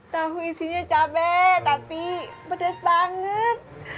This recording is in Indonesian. tahu isinya cabai tapi pedas banget